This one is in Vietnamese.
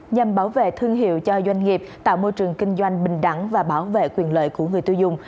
nhằm bảo vệ thương hiệu cho doanh nghiệp tạo môi trường kinh doanh bình đẳng và bảo vệ quyền lợi của người tiêu dùng